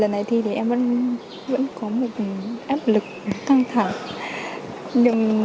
lần này thi thì em vẫn có một áp lực thăng thẳng